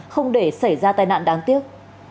không để xảy ra tai nạn đáng tiếc